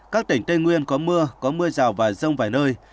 các tỉnh tây nguyên có mưa có mưa rào và rông vài nơi